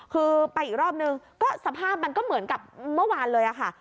คือไปอีกรอบนึงก็สภาพมันก็เหมือนกับเมื่อวานเลยค่ะ